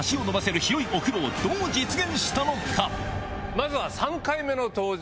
まずは３回目の登場